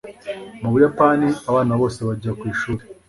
Mu Buyapani, abana bose bajya ku ishuri.